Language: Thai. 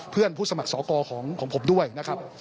เพื่อนผู้สมัครสอบกรของผมด้วยนะครับ